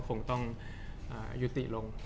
ก็คงยุติลง